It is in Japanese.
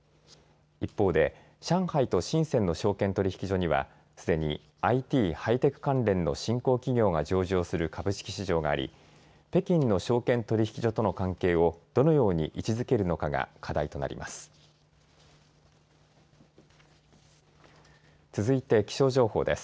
一方で上海と深センの証券取引所には、すでにＩＴ・ハイテク関連の新興企業が上場する株式市場があり北京の証券取引所との関係をどのように位置づけるのかが課題となります。